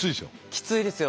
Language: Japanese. きついですよ。